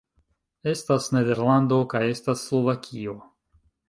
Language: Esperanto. Estas Nederlando kaj estas Slovakio